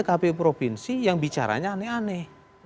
kpu provinsi yang bicaranya aneh aneh